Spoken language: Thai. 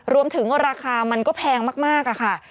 รวมถึงราคามันก็แพงมากค่ะ